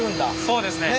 そうですね。